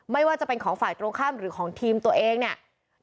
ไม่ว่าจะเป็นของฝ่ายตรงข้ามหรือของทีมตัวเองเนี่ย